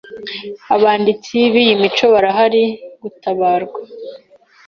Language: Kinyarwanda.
abanditsi b'iyi mico barahari gutabarwa.